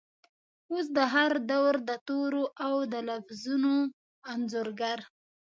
اوس د هردور دتورو ،اودلفظونو انځورګر،